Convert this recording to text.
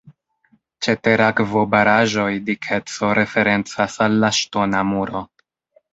Ĉe ter-akvobaraĵoj, dikeco referencas al la ŝtona muro.